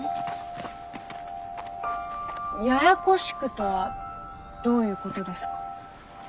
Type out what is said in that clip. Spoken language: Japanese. ややこしくとはどういうことですか？